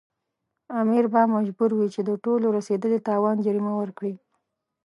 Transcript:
امیر به مجبور وي چې د ټولو رسېدلي تاوان جریمه ورکړي.